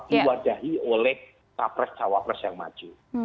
diwadahi oleh capres cawapres yang maju